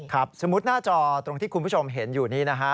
สมมุติหน้าจอตรงที่คุณผู้ชมเห็นอยู่นี้นะฮะ